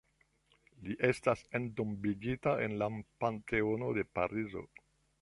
Li estas entombigita en la Panteono de Parizo.